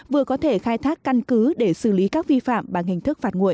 vừa có thể khai thác căn cứ để xử lý các vi phạm bằng hình thức phạt nguộ